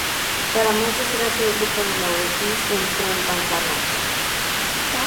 Para más desgracia el Grupo De Laurentiis entró en bancarrota.